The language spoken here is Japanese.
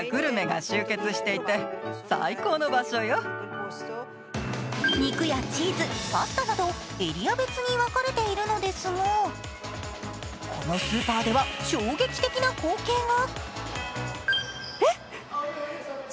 更に肉やチーズ、パスタなどエリア別に分かれているのですがこのスーパーでは、衝撃的な光景が。